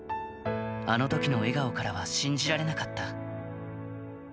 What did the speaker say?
あのときの笑顔からは信じられなかった。